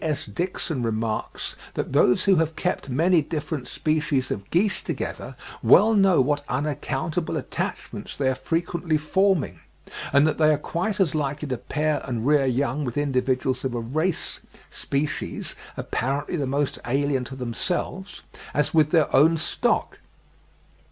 S. Dixon remarks that "those who have kept many different species of geese together well know what unaccountable attachments they are frequently forming, and that they are quite as likely to pair and rear young with individuals of a race (species) apparently the most alien to themselves as with their own stock."